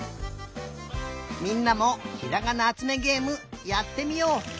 みんなも「ひらがなあつめげえむ」やってみよう。